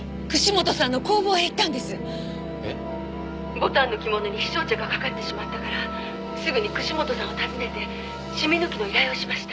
「牡丹の着物に陽尚茶がかかってしまったからすぐに串本さんを訪ねてシミ抜きの依頼をしました」